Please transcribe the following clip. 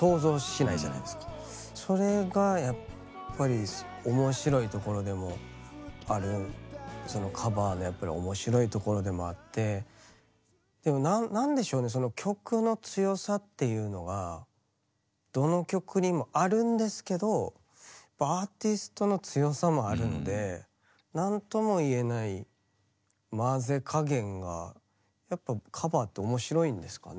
それがやっぱり面白いところでもあるそのカバーのやっぱり面白いところでもあってでも何でしょうね曲の強さっていうのがどの曲にもあるんですけどアーティストの強さもあるので何とも言えない混ぜ加減がやっぱカバーって面白いんですかね。